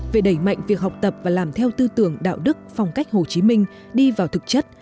về đẩy mạnh việc học tập và làm theo tư tưởng đạo đức phong cách hồ chí minh đi vào thực chất